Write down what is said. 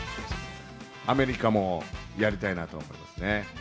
アメリカもやりたいなと思ってますね。